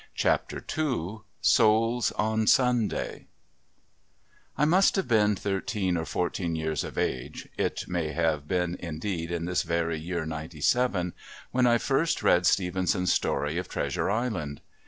Chapter II Souls on Sunday I must have been thirteen or fourteen years of age it may have been indeed in this very year '97 when I first read Stevenson's story of Treasure Island.